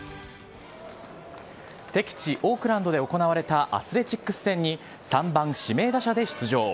敵地、オークランドで行われたアスレチックス戦に３番指名打者で出場。